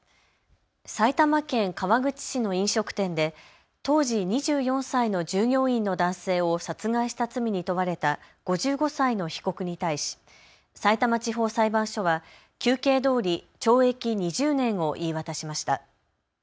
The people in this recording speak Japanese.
埼玉県川口市の飲食店で当時２４歳の従業員の男性を殺害した罪に問われた５５歳の被告に対し、さいたま地方裁判所は求刑どおり懲役２０年を言い渡しました。